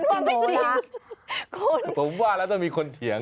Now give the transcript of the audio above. ไม่จริงคุณพี่มูลละผมว่าแล้วต้องมีคนเฉียง